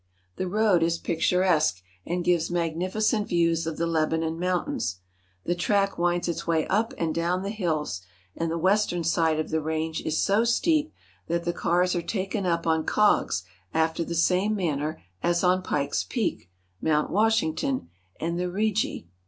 The road is picturesque and gives magnificent views of the Lebanon Mountains. The track winds its way up and down the hills, and the western side of the range is so steep that the cars are taken up on cogs after the same manner as on Pike's Peak, Mount Washington, and the Rigi.